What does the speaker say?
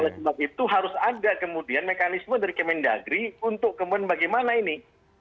oleh sebab itu harus ada kemudian mekanisme dari kemendagri untuk kemudian bagaimana ini